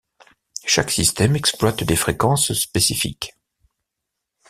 Chaque système exploite des fréquences spécifiques.